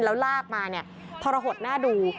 แล้วลากมาพอระหดหน้าดู